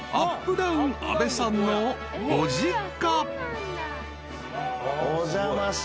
ダウン阿部さんのご実家］